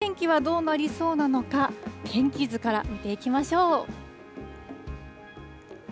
ではあすの天気はどうなりそうなのか、天気図から見ていきましょう。